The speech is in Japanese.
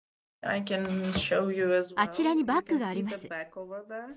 あちらにバッグがあります。